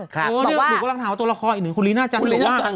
คือกำลังถามว่าตัวละครอีกหนึ่งคุณลิน่าจัง